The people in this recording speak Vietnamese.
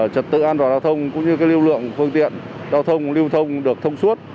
trật tự an toàn giao thông cũng như lưu lượng phương tiện giao thông được thông suốt